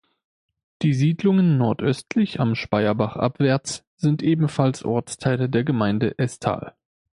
Die Siedlungen nordöstlich, am Speyerbach abwärts, sind ebenfalls Ortsteile der Gemeinde Esthal.